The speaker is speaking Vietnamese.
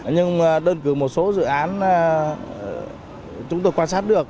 nhưng đơn cử một số dự án chúng tôi quan sát được